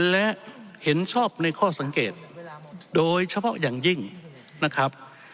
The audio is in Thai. และเห็นชอบในข้อสังเกตโดยเฉพาะอย่างยิ่งนะครับ